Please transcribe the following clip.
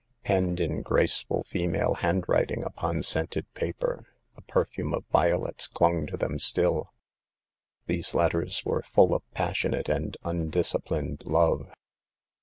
Penned in graceful female handwriting upon scented paper — a perfume of violets clung to them still — ^these letters were full of passionate and undis ciplined love.